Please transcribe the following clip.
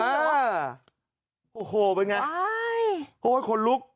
อ่าโอ้โหเป็นไงอ้ายโอ้ยคนลุก